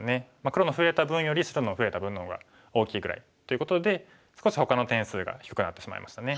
黒の増えた分より白の増えた分の方が大きいぐらい。ということで少しほかの点数が低くなってしまいましたね。